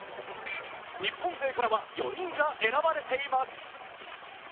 日本勢からは４人が選ばれています